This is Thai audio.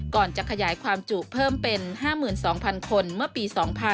ก่อนจะขยายความจุเพิ่มเป็น๕๒๐๐๐คนเมื่อปี๒๕๕๙